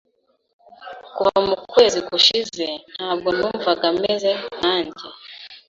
Kuva mu kwezi gushize, ntabwo numvaga meze nkanjye.